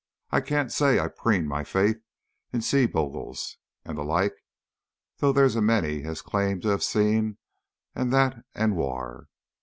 I canna' say I preen my faith in sea bogles an' the like, though there's a mony as claims to ha' seen a' that and waur.